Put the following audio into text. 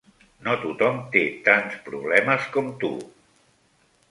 No tothom té tants problemes com tu.